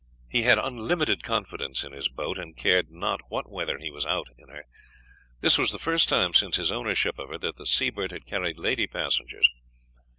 He had unlimited confidence in his boat, and cared not what weather he was out in her. This was the first time since his ownership of her that the Seabird had carried lady passengers.